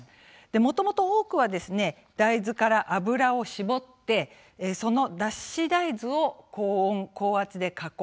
もともと多くは大豆から油をしぼってその脱脂大豆を高温、高圧で加工。